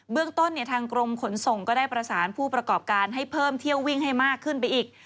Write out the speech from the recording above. เรื่องต้นทางกรมขนส่งก็ได้ประสานผู้ประกอบการให้เพิ่มเที่ยววิ่งให้มากขึ้นไปอีก